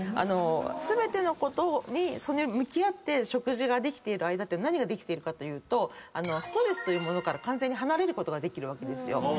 全てのことに向き合って食事ができている間って何ができているかというとストレスというものから完全に離れることができる。